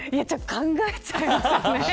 考えちゃいますよね。